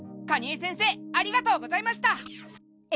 蟹江先生ありがとうございました！